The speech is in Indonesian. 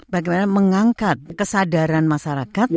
bagaimana mengangkat kesadaran masyarakat